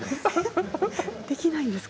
できないんですか？